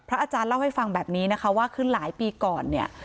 อาจารย์เล่าให้ฟังแบบนี้นะคะว่าคือหลายปีก่อนเนี่ย